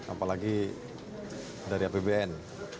apalagi dari apbn